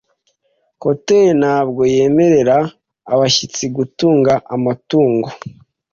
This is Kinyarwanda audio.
Hoteri ntabwo yemerera abashyitsi gutunga amatungo.